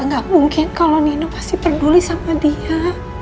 nggak mungkin kalau nino pasti peduli sama dia